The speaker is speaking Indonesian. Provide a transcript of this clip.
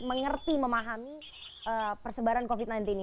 mengerti memahami persebaran covid sembilan belas ini